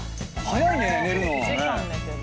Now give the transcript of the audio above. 早いね寝るの。